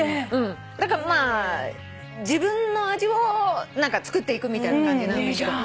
だから自分の味を作っていくみたいな感じなんだけど。